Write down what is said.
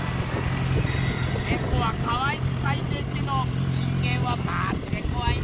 ネコはかわいくかいてっけど人間はマジでこわいな。